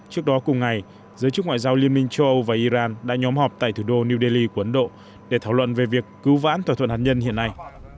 trước đó cùng ngày giới chức ngoại giao liên minh châu âu và iran đã nhóm họp tại thủ đô new delhi của ấn độ để thảo luận về việc cứu vãn thỏa thuận hạt nhân hiện nay